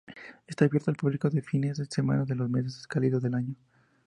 Está abierto al público los fines de semana de los meses cálidos del año.